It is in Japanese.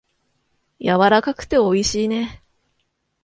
やわらかくておいしいね。